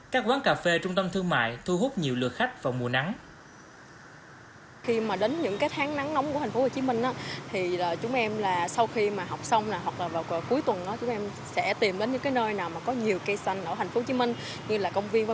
các quán cà phê trung tâm thương mại thu hút nhiều lượt khách vào mùa nắng